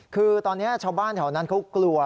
คือตอนนี้ชาวบ้านแถวนั้นเขากลัว